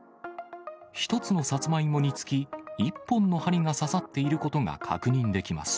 １つのさつまいもにつき１本の針が刺さっていることが確認できます。